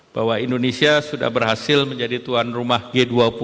bahwa indonesia sudah berhasil menjadi tuan rumah g dua puluh